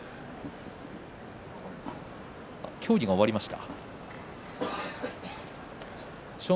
協議終わりました。